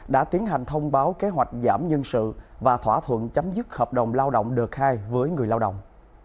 đã tiến hành thông báo kế hoạch giảm nhân sự và thỏa thuận chấm dứt hợp đồng lao động đợt hai với người lao động